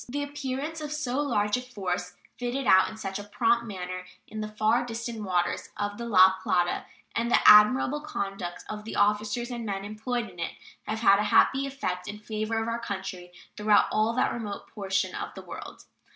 The appearance of so large a force, fitted out in such a prompt manner, in the far distant waters of the La Plata, and the admirable conduct of the officers and men employed in it, have had a happy effect in favor of our country throughout all that remote portion of the world.